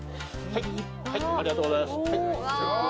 ありがとうございます。